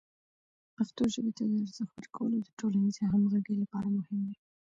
پښتو ژبې ته د ارزښت ورکول د ټولنیزې همغږۍ لپاره مهم دی.